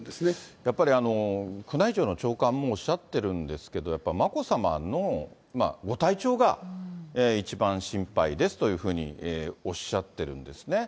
やっぱり宮内庁の長官もおっしゃってるんですけど、やっぱり眞子さまのご体調が一番心配ですというふうにおっしゃってるんですね。